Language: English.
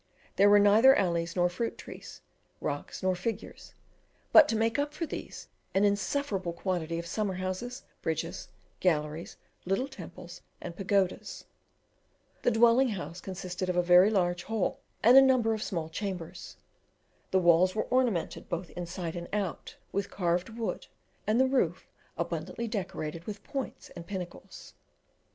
There were neither alleys nor fruit trees, rocks nor figures; but, to make up for these, an insufferable quantity of summer houses, bridges, galleries, little temples, and pagodas. The dwelling house consisted of a large hall and a number of small chambers. The walls were ornamented, both inside and out, with carved wood work, and the roof abundantly decorated with points and pinnacles.